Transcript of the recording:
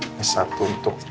ini satu untuk